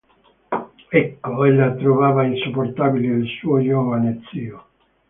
Ecco, ella trovava insopportabile il suo giovane zio.